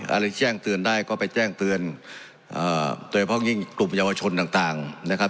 อะไรแจ้งเตือนได้ก็ไปแจ้งเตือนโดยเฉพาะยิ่งกลุ่มเยาวชนต่างนะครับ